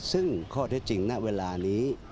ซึ่งข้อเท็จจริงณเวลานี้